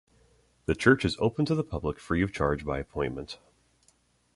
The church is open to the public free of charge by appointment.